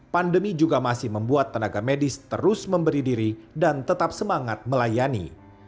pandemi juga masih membuat tenaga medis terus memberi diri dan tetap semangat melayani